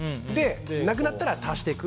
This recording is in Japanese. なくなったら足していく。